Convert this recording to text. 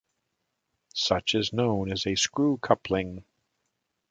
Such is known as a 'screw coupling'.